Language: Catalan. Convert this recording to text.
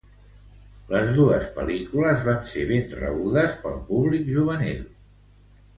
Les dos pel·lícules van ser ben rebudes pel públic juvenil.